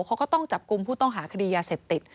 เขาก็ต้องจับกลุ่มผู้ต้องหาคดียาเสพติด